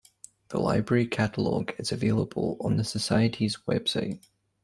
The library catalogue is available on the Society's web site.